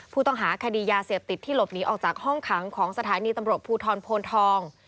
ผู้ต้องหาคดียาเสพติดที่หลบหนีออกจากห้องขังของสถานีตำรวจภูทรโพนทอง